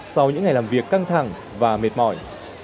sau những ngày làm việc căng thẳng và mệt mỏi